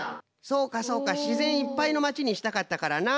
そうかそうか自然いっぱいの町にしたかったからな。